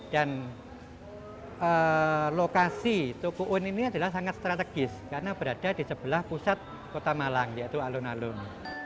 dan lokasi toko un ini adalah sangat strategis karena berada di sebelah pusat kota malang yaitu alun alun